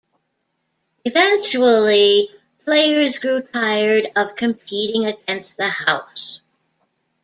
Eventually players grew tired of competing against the house.